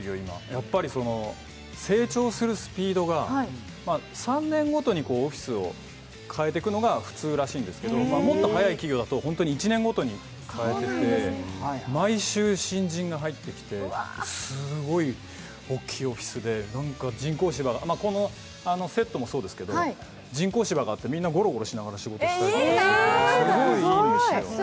やっぱり成長するスピードが３年ごとにオフィスを変えていくのが普通らしいんですけど、もっと早い企業だと１年ごとにかえてて、毎週新人が入ってきてすごい大きいオフィスで何か人工芝がこのセットもそうですけれども人工芝があって、みんなゴロゴロしながら仕事をしてたりすごいいいんですよ。